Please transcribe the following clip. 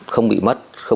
không bị mất